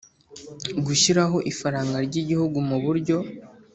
gushyiraho ifaranga ry Igihugu mu buryo